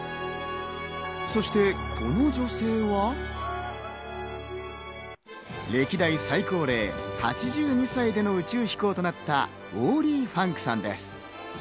そしてこの女性は、歴代最高齢８２歳での宇宙飛行となったウォーリー・ファンクさんです。